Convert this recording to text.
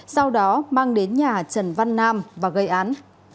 sau đó mang đến nhà trần văn nam và gây án